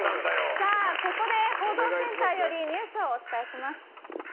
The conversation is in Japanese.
ここで報道センターよりニュースをお伝えします。